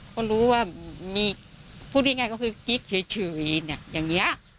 ก็รู้ว่ามีพูดง่ายก็คือกิ๊กเฉยเนี่ยอย่างนี้